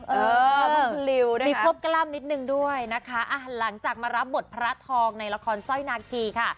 เพราะคุณลิวนะคะมีครบกล้ามนิดนึงด้วยนะคะหลังจากมารับบทพระทองในละครสร้อยนาคีค่ะ